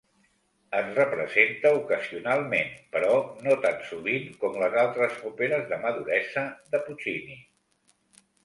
Es representa ocasionalment, però no tan sovint com les altres òperes de maduresa de Puccini.